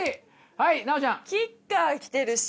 はい奈央ちゃん。